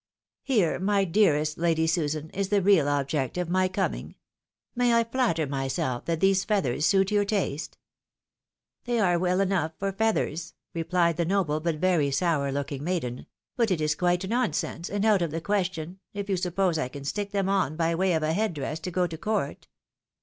'' Here, my dearest Lady Susan, is the real object of my coming. May I flatter myself that these feathers suit your taste ?"" They are well enough for feathers,'' rephed the noble, but very sour looking maiden ;" but it is quite nonsense, and out of the question, if you suppose I can stick them on by way of a head dress to go to court.